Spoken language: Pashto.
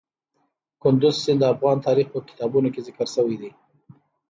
کندز سیند د افغان تاریخ په کتابونو کې ذکر شوی دی.